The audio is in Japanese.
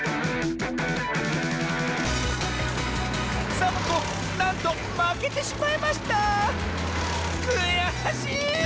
サボ子なんとまけてしまいましたくやしい！